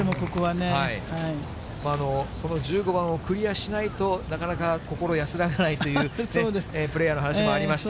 この１５番をクリアしないと、なかなか心安らがないというプレーヤーの話もありました。